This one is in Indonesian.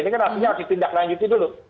ini kan artinya harus ditindaklanjuti dulu